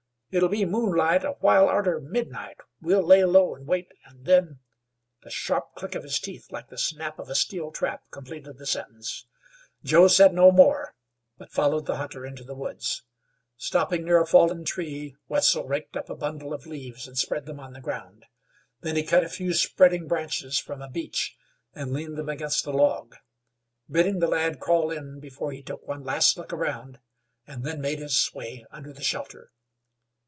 "It'll be moonlight a while arter midnight. We'll lay low an' wait, an' then " The sharp click of his teeth, like the snap of a steel trap, completed the sentence. Joe said no more, but followed the hunter into the woods. Stopping near a fallen tree, Wetzel raked up a bundle of leaves and spread them on the ground. Then he cut a few spreading branches from a beech, and leaned them against a log. Bidding the lad crawl in before he took one last look around and then made his way under the shelter.